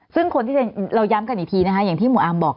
ซึ่งคนที่เราย้ำกันอีกทีนะคะอย่างที่หมู่อามบอก